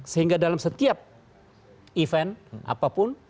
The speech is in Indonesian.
sehingga dalam setiap event apapun